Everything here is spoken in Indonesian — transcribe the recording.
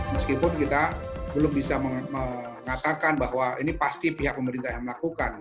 meskipun kita belum bisa mengatakan bahwa ini pasti pihak pemerintah yang melakukan